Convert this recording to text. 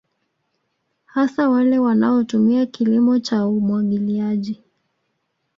Hasa wale wanao tumia kilimo cha umwagiliaji